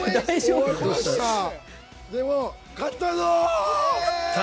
でも、勝ったぞ！